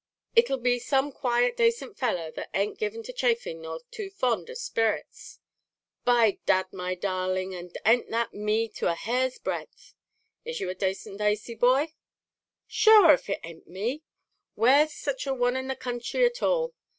"It'll be some quiet, dacent fellow, that an't given to chaffing nor too fond of sperrits." "By dad, my darling, and an't that me to a hair's breadth?" "Is it you a dacent, asy boy?" "Shure if it an't me, where's sich a one in the counthry at all?